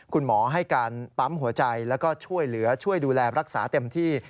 คุณหมอให้การปั๊มหัวใจแล้วก็ช่วยเหลือช่วยดูแลรักษาเต็มที่